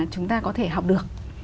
chúng ta có thể học được